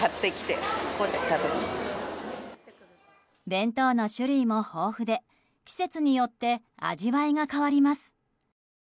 弁当の種類も豊富で季節によって味わいが変わります。